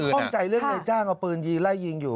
ผมยังค่องใจเรื่องไหนจ้างเอาปืนยีไล่ยิงอยู่